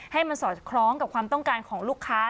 ให้มันสอดคล้องกับความต้องการของลูกค้า